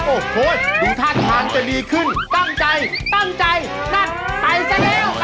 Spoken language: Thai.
โอ้โหดูท่าทางจะดีขึ้นตั้งใจตั้งใจนั่นไปซะแล้ว